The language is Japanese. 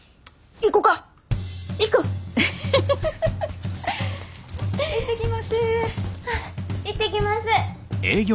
行ってきます！